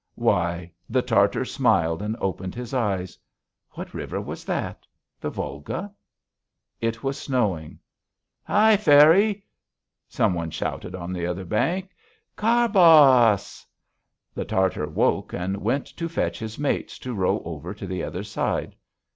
Why? The Tartar smiled and opened his eyes. What river was that? The Volga? It was snowing. "Hi! Ferry!" some one shouted on the other bank. "Karba a ass!" The Tartar awoke and went to fetch his mates to row over to the other side.